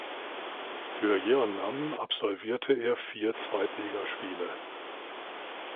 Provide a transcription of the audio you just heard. Für Jeonnam absolvierte er vier Zweitligaspiele.